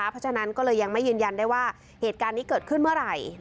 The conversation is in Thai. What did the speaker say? เพราะฉะนั้นก็เลยยังไม่ยืนยันได้ว่าเหตุการณ์นี้เกิดขึ้นเมื่อไหร่